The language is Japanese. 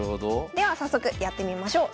では早速やってみましょう。